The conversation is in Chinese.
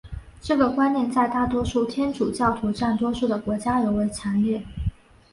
这个观念在大多数天主教徒占多数的国家尤为强烈。